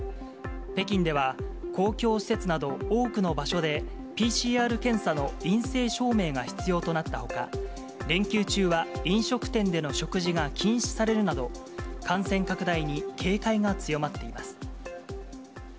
北京では、公共施設など多くの場所で、ＰＣＲ検査の陰性証明が必要となったほか、連休中は飲食店での食事が禁止されるなど、感染拡大に警戒が強まっています。